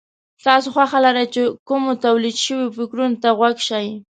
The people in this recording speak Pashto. تاسې خوښه لرئ چې کومو توليد شوو فکرونو ته غوږ شئ.